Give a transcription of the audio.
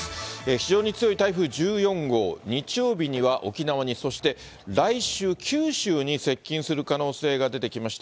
非常に強い台風１４号、日曜日には沖縄に、そして来週、九州に接近する可能性が出てきました。